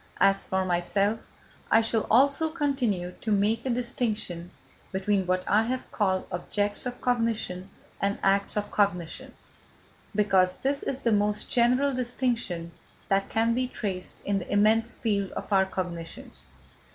As for myself, I shall also continue to make a distinction between what I have called objects of cognition and acts of cognition, because this is the most general distinction that can be traced in the immense field of our cognitions.